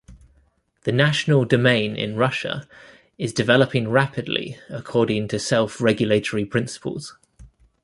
The national domain in Russia is developing rapidly according to self-regulatory principles.